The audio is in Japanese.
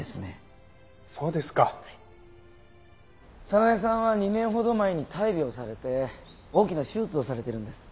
早苗さんは２年ほど前に大病されて大きな手術をされてるんです。